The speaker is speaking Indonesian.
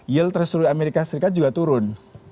yield terus terus dari amerika serikat juga turun